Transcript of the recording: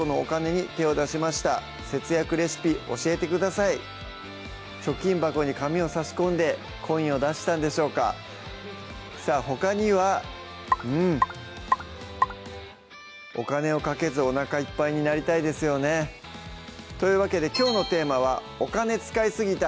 早速いってみよう貯金箱に紙を差し込んでコインを出したんでしょうかさぁほかにはうんお金をかけずおなかいっぱいになりたいですよねというわけできょうのテーマは「お金使いすぎた！